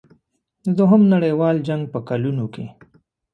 د دوهم نړیوال جنګ په کلونو کې.